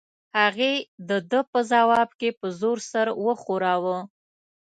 هغې د ده په ځواب کې په زور سر وښوراوه.